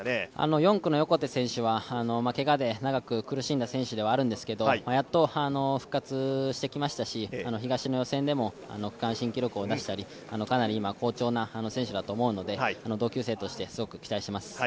４区の横手選手はけがで長く苦しんだ選手ではあるんですけれども、やっと復活してきましたし、東の予選でも区間新記録を出したり、かなり今、好調な選手だと思うので同級生としてすごく期待しています。